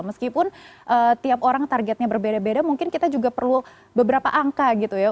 meskipun tiap orang targetnya berbeda beda mungkin kita juga perlu beberapa angka gitu ya